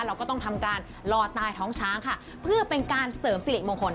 เราก็ต้องทำการรอตายท้องช้างค่ะเพื่อเป็นการเสริมสิริมงคล